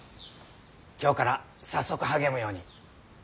今日から早速励むように。